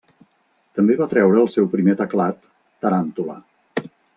També va treure el seu primer teclat, Taràntula.